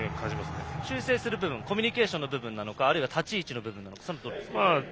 修正する部分コミュニケーションの部分かあるいは立ち位置の部分なのかどうですか？